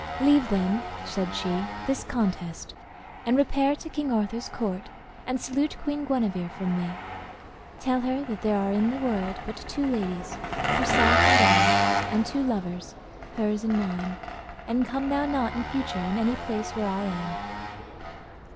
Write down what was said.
"Leave, then," said she, "this contest, and repair to King Arthur's court, and salute Queen Guenever from me; tell her that there are in the world but two ladies, herself and I, and two lovers, hers and mine; and come thou not in future in any place where I am."